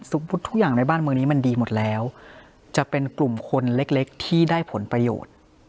ทุกอย่างในบ้านเมืองนี้มันดีหมดแล้วจะเป็นกลุ่มคนเล็กที่ได้ผลประโยชน์